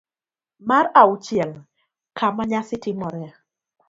mar auchiel. Kama nyasi timoree